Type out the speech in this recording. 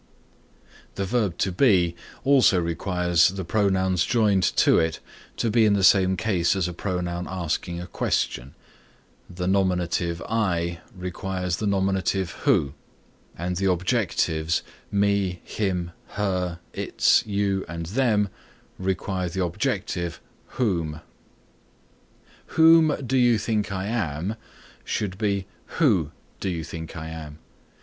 The verb To Be also requires the pronouns joined to it to be in the same case as a pronoun asking a question; The nominative I requires the nominative who and the objectives me, him, her, its, you, them, require the objective whom. "Whom do you think I am?" should be "Who do you think I am?"